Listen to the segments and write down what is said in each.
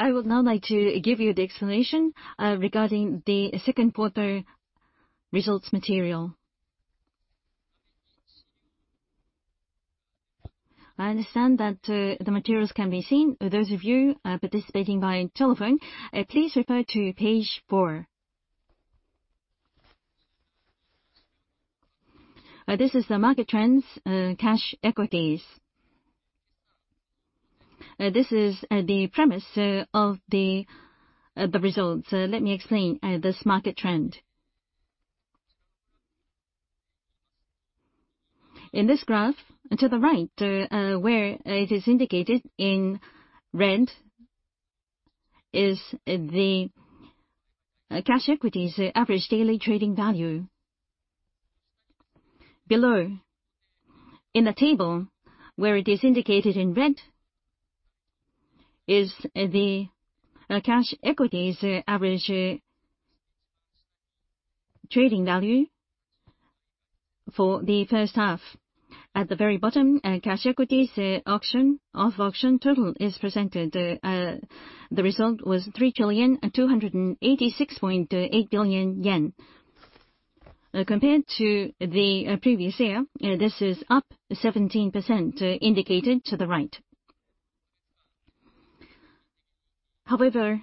I will now like to give you the explanation regarding the second quarter results material. I understand that the materials can be seen. Those of you participating via telephone, please refer to page four. This is the market trends, cash equities. This is the premise of the results. Let me explain this market trend. In this graph, to the right, where it is indicated in red, is the cash equities average daily trading value. Below, in the table where it is indicated in red, is the cash equities average trading value for the first half. At the very bottom, cash equities auction, off-auction total is presented. The result was 3.2868 trillion. Compared to the previous year, this is up 17%, indicated to the right. However,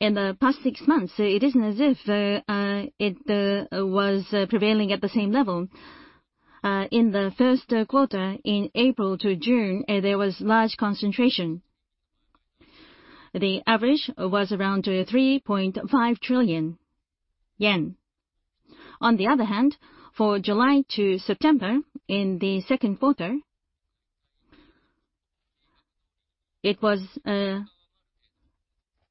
in the past six months, it isn't as if it was prevailing at the same level. In the first quarter, in April to June, there was large concentration. The average was around 3.5 trillion yen. On the other hand, for July to September, in the second quarter, it was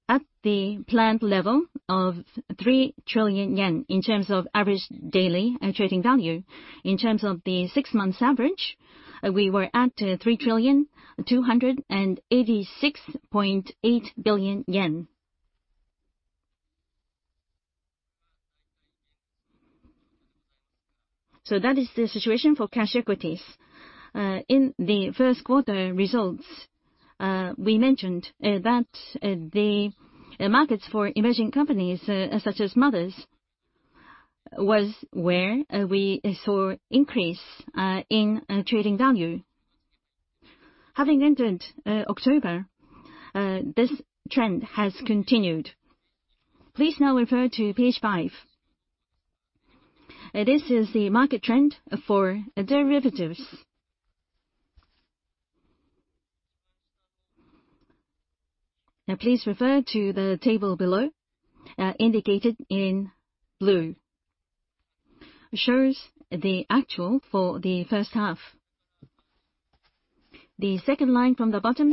at the planned level of 3 trillion yen in terms of average daily trading value. In terms of the six months average, we were at 3.2868 trillion. That is the situation for cash equities. In the first quarter results, we mentioned that the markets for emerging companies, such as Mothers, was where we saw increase in trading value. Having entered October, this trend has continued. Please now refer to page five. This is the market trend for derivatives. Now, please refer to the table below, indicated in blue, shows the actual for the first half. The second line from the bottom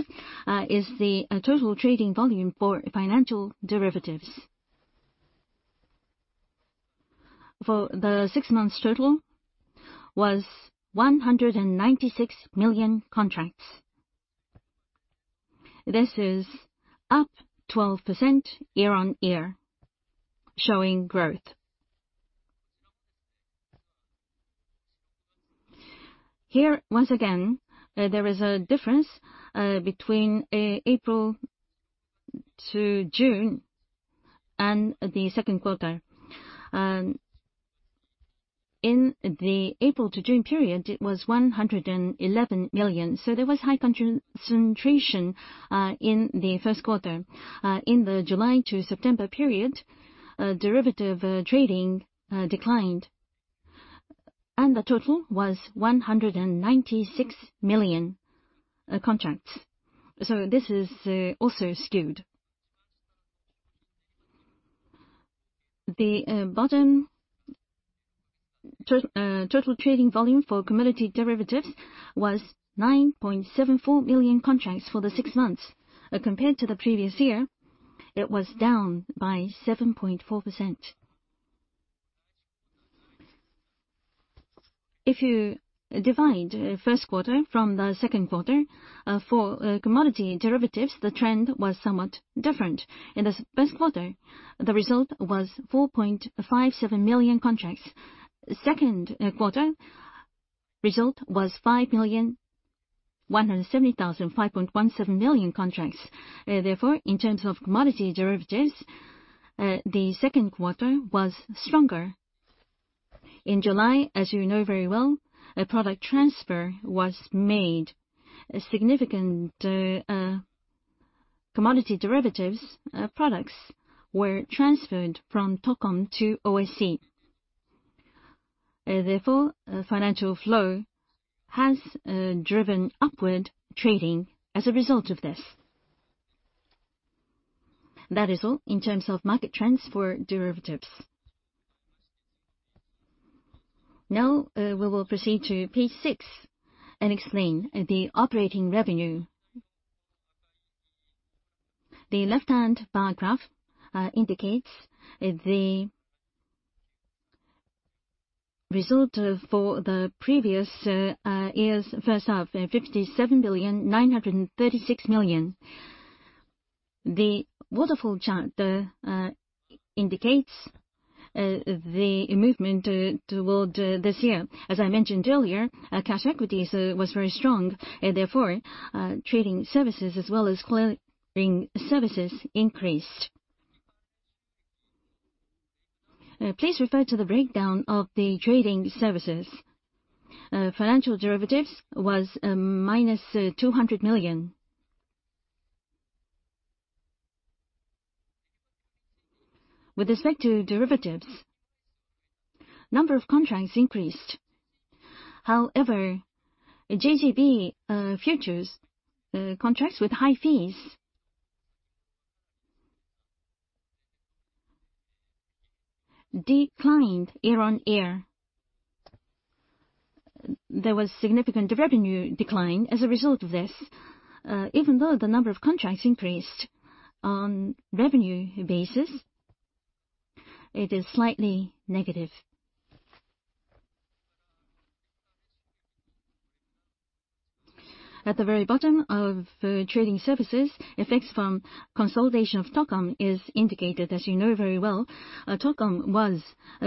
is the total trading volume for financial derivatives. For the six months, total was 196 million contracts. This is up 12% year-on-year, showing growth. Here, once again, there is a difference between April to June and the second quarter. In the April to June period, it was 111 million. There was high concentration in the first quarter. In the July to September period, derivative trading declined. The total was 196 million contracts. This is also skewed. The bottom total trading volume for commodity derivatives was 9.74 million contracts for the six months. Compared to the previous year, it was down by 7.4%. If you divide first quarter from the second quarter, for commodity derivatives, the trend was somewhat different. In the first quarter, the result was 4.57 million contracts. Second quarter result was 5.17 million contracts. Therefore, in terms of commodity derivatives, the second quarter was stronger. In July, as you know very well, a product transfer was made. Significant commodity derivatives products were transferred from TOCOM to OSE. Financial flow has driven upward trading as a result of this. That is all in terms of market trends for derivatives. We will proceed to page six and explain the operating revenue. The left-hand bar graph indicates the result for the previous year's first half, 57,936 million. The waterfall chart indicates the movement toward this year. As I mentioned earlier, cash equities was very strong, therefore trading services as well as clearing services increased. Please refer to the breakdown of the trading services. Financial derivatives was -JPY 200 million. With respect to derivatives, number of contracts increased. JGB futures contracts with high fees declined year-on-year. There was significant revenue decline as a result of this, even though the number of contracts increased. On revenue basis, it is slightly negative. At the very bottom of trading services, effects from consolidation of TOCOM is indicated. As you know very well, TOCOM was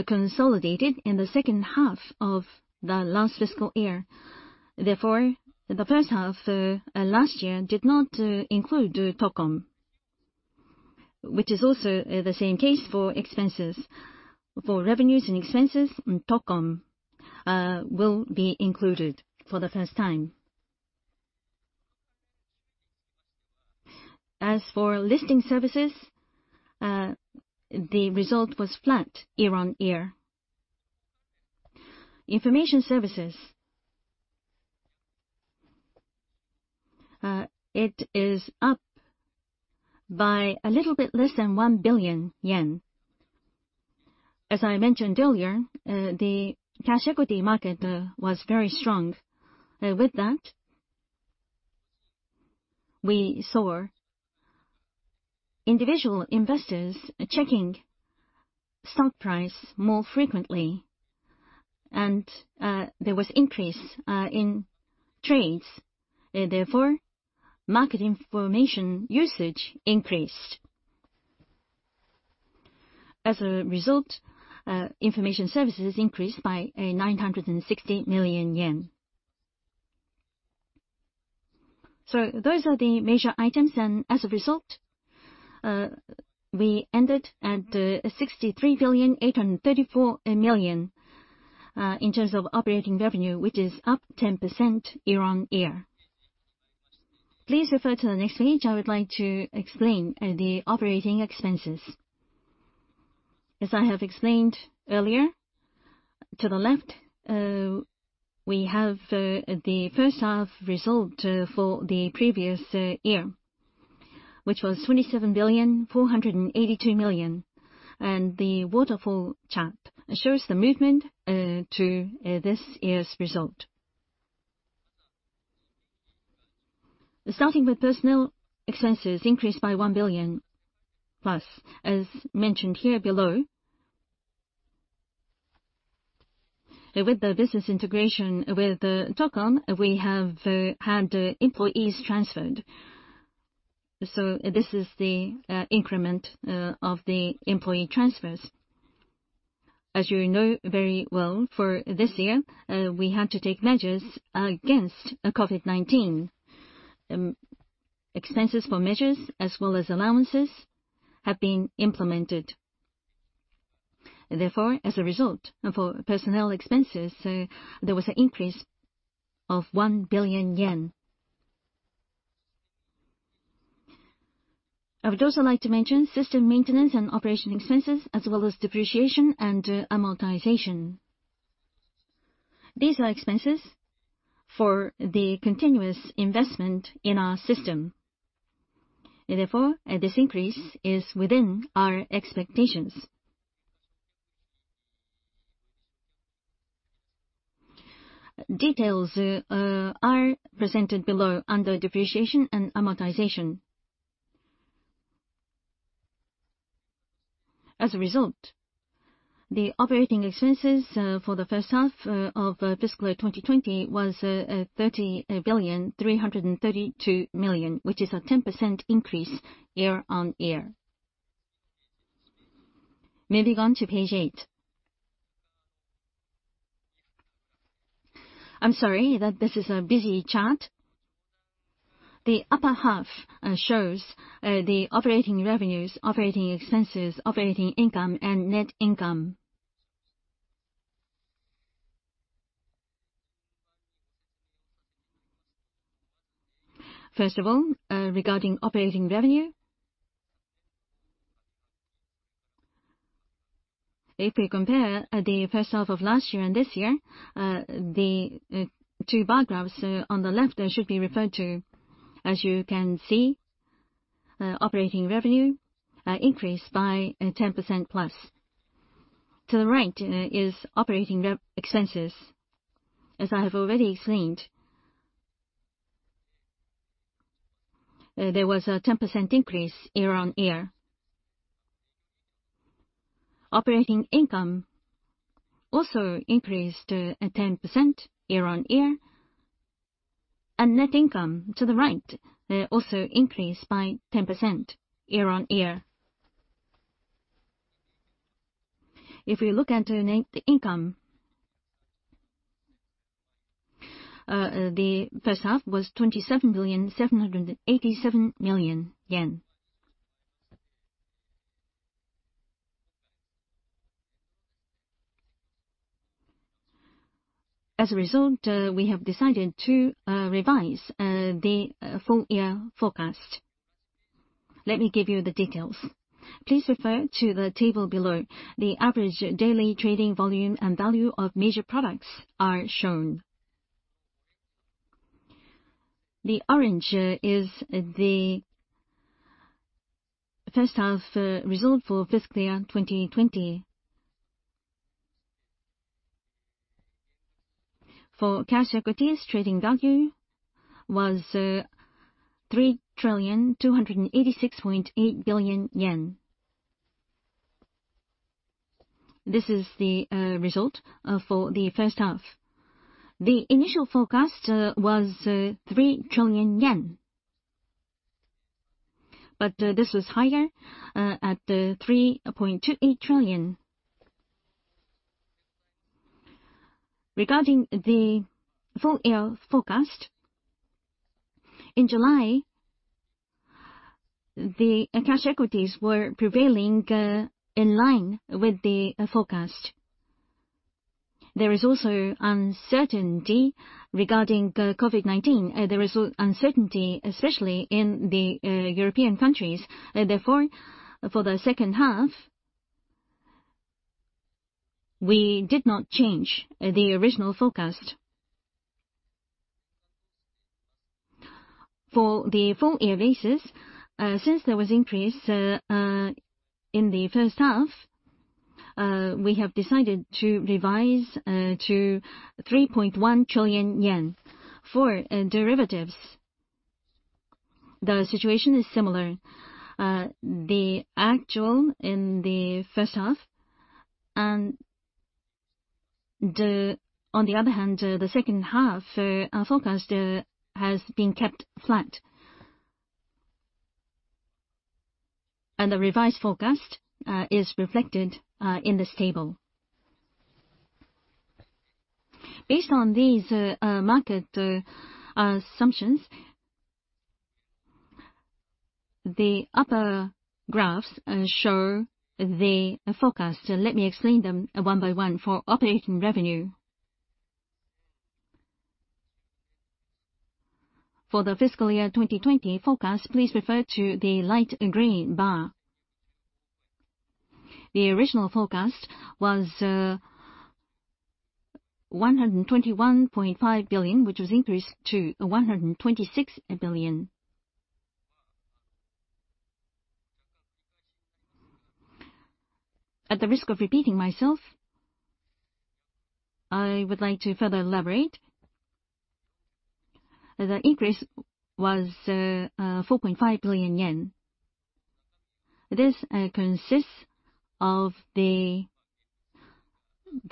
consolidated in the second half of the last fiscal year. Therefore, the first half last year did not include TOCOM, which is also the same case for expenses. For revenues and expenses, TOCOM will be included for the first time. As for listing services, the result was flat year on year. Information services. It is up by a little bit less than 1 billion yen. As I mentioned earlier, the cash equity market was very strong. With that, we saw individual investors checking stock price more frequently, and there was increase in trades. Therefore, market information usage increased. As a result, information services increased by 960 million yen. Those are the major items, and as a result, we ended at 63.834 billion in terms of operating revenue, which is up 10% year-on-year. Please refer to the next page. I would like to explain the operating expenses. As I have explained earlier, to the left, we have the first half result for the previous year, which was 27.482 billion. The waterfall chart shows the movement to this year's result. Starting with personnel expenses increased by 1 billion+. As mentioned here below, with the business integration with TOCOM, we have had employees transferred. This is the increment of the employee transfers. As you know very well, for this year, we had to take measures against COVID-19. Expenses for measures as well as allowances have been implemented. Therefore, as a result, for personnel expenses, there was an increase of 1 billion yen. I would also like to mention system maintenance and operation expenses, as well as depreciation and amortization. These are expenses for the continuous investment in our system. Therefore, this increase is within our expectations. Details are presented below under depreciation and amortization. As a result, the operating expenses for the first half of fiscal 2020 was 30,332 million, which is a 10% increase year-on-year. Moving on to page eight. I'm sorry that this is a busy chart. The upper half shows the operating revenues, operating expenses, operating income and net income. First of all, regarding operating revenue, if we compare the first half of last year and this year, the two bar graphs on the left should be referred to. As you can see, operating revenue increased by 10%+. To the right is operating expenses. As I have already explained, there was a 10% increase year-on-year. Operating income also increased 10% year-on-year. Net income to the right also increased by 10% year-on-year. If we look at net income, the first half was 27,787 million yen. As a result, we have decided to revise the full year forecast. Let me give you the details. Please refer to the table below. The average daily trading volume and value of major products are shown. The orange is the first half result for fiscal year 2020. For cash equities, trading value was JPY 3.2868 trillion. This is the result for the first half. The initial forecast was 3 trillion yen. This was higher at 3.28 trillion. Regarding the full year forecast, in July, the cash equities were prevailing in line with the forecast. There is also uncertainty regarding COVID-19. There is uncertainty, especially in the European countries. For the second half, we did not change the original forecast. For the full year basis, since there was increase in the first half, we have decided to revise to 3.1 trillion yen. For derivatives, the situation is similar. The actual in the first half and on the other hand, the second half forecast has been kept flat. The revised forecast is reflected in this table. Based on these market assumptions, the upper graphs show the forecast. Let me explain them one by one. For operating revenue, for the fiscal year 2020 forecast, please refer to the light green bar. The original forecast was 121.5 billion, which was increased to 126 billion. At the risk of repeating myself, I would like to further elaborate. The increase was 4.5 billion yen. This consists of the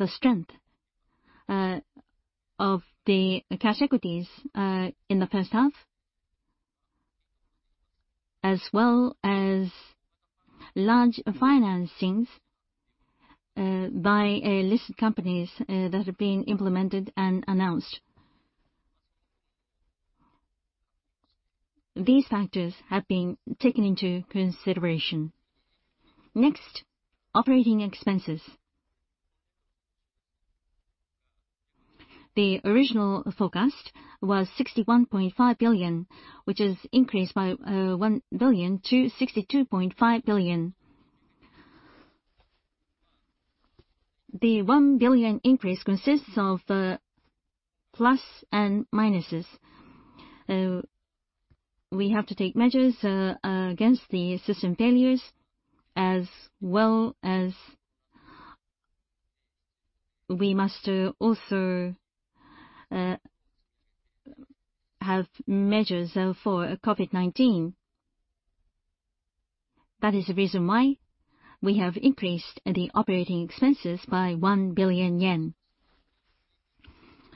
strength of the cash equities in the first half, as well as large financings by listed companies that have been implemented and announced. These factors have been taken into consideration. Next, operating expenses. The original forecast was 61.5 billion, which has increased by 1 billion to 62.5 billion. The 1 billion increase consists of plus and minuses. We have to take measures against the system failures as well as we must also have measures for COVID-19. That is the reason why we have increased the operating expenses by 1 billion yen.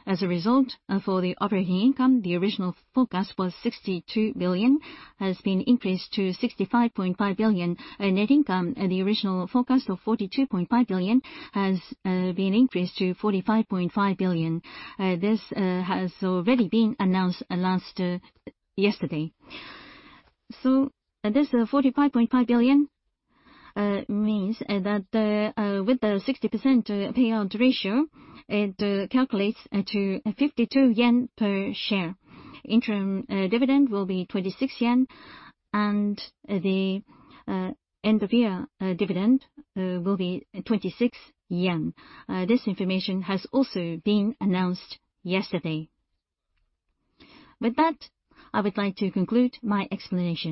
As a result, for the operating income, the original forecast was 62 billion, has been increased to 65.5 billion. Net income, the original forecast of 42.5 billion has been increased to 45.5 billion. This has already been announced last yesterday. This 45.5 billion means that with the 60% payout ratio, it calculates to 52 yen per share. Interim dividend will be 26 yen and the end-of-year dividend will be 26 yen. This information has also been announced yesterday. I would like to conclude my explanation.